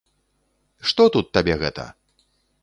Што тут табе гэта!